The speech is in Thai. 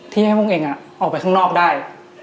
ที่ให้พวกเองออกไปข้างนอกได้